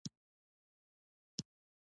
ایا زه باید په لمر کې وګرځم؟